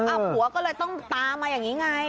ผัวก็เลยต้องตามมาอย่างนี้ไง